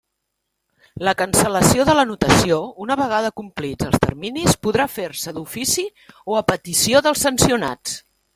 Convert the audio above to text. La cancel·lació de l'anotació, una vegada complits els terminis, podrà fer-se d'ofici o a petició dels sancionats.